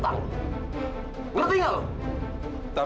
jangan decided lah